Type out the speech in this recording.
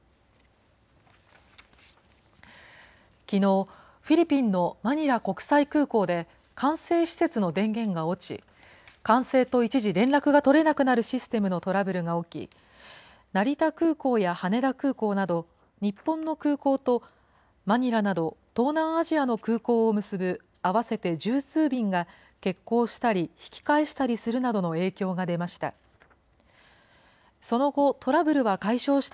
きのう、フィリピンのマニラ国際空港で、管制施設の電源が落ち、管制と一時連絡が取れなくなるシステムのトラブルが起き、成田空港や羽田空港など、日本の空港とマニラなど東南アジアの空港を結ぶ合わせて十数便が、欠航したり、引き返したりするなどの影響が出ました。